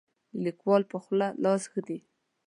د لیکوال په خوله لاس ږدي.